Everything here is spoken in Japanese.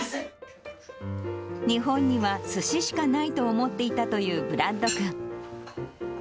日本にはすししかないと思っていたというブラッド君。